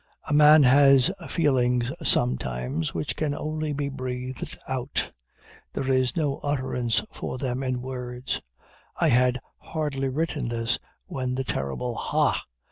A man has feelings sometimes which can only be breathed out; there is no utterance for them in words. I had hardly written this when the terrible "Ha!"